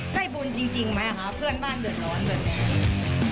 ใกล้บุญจริงไหมคะเพื่อนบ้านเหลือร้อนเหลือแดง